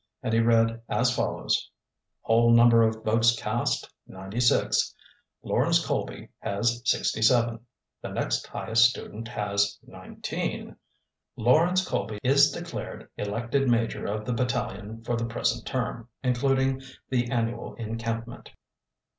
And he read as follows: "Whole number of votes cast 96. "Lawrence Colby has 67. "The next highest student has 19. "Lawrence Colby is declared elected major of the battalion for the present term, including the annual encampment."